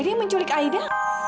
aksan menculik aida